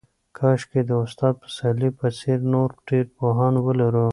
کاشکې د استاد پسرلي په څېر نور ډېر پوهان ولرو.